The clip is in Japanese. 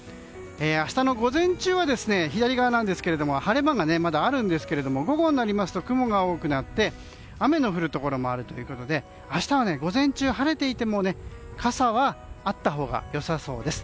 明日の午前中は左側ですが晴れ間がまだありますが午後になりますと雲が多くなって雨の降るところもあるということで明日は、午前中晴れていても傘はあったほうがよさそうです。